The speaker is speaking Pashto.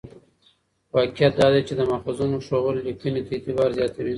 واقعیت دا دی چې د ماخذونو ښوول لیکنې ته اعتبار زیاتوي.